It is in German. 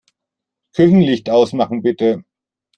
Küchenlicht ausmachen, bitte.